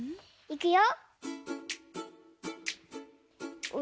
いくよ。